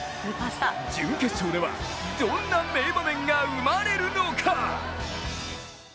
準決勝ではどんな名場面が生まれるのか。